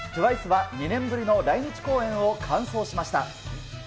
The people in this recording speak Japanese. ＴＷＩＣＥが２年ぶりの来日公演を完走しました。